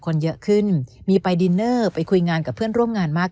คนเยอะขึ้นมีไปดินเนอร์ไปคุยงานกับเพื่อนร่วมงานมาก